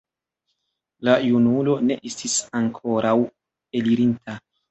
La junulo ne estis ankoraŭ elirinta.